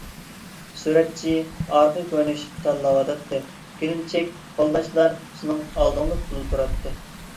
سۈرەتچى ئارقا كۆرۈنۈش تاللاۋاتاتتى، كېلىنچەك، قولداشلار سېنىڭ ئالدىڭدىلا تۇراتتى.